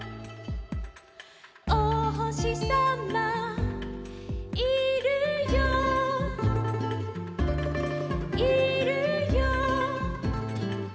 「おほしさまいるよいるよ」